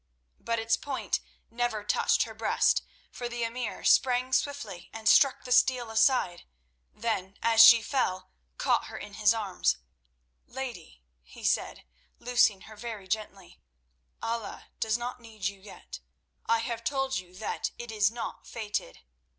But its point never touched her breast, for the emir sprang swiftly and struck the steel aside; then, as she fell, caught her in his arms. "Lady," he said, loosing her very gently. "Allah does not need you yet. I have told you that it is not fated.